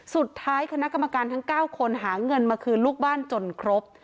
คณะกรรมการทั้ง๙คนหาเงินมาคืนลูกบ้านจนครบ